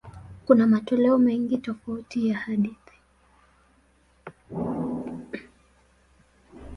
Kuna matoleo mengi tofauti ya hadithi.